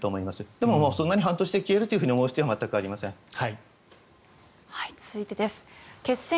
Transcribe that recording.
でも、そんなに半年で消えると思う必要は全くありません。